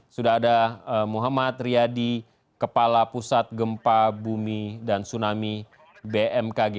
sudah ada muhammad riyadi kepala pusat gempa bumi dan tsunami bmkg